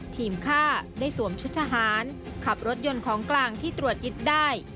ฆ่าได้สวมชุดทหารขับรถยนต์ของกลางที่ตรวจยึดได้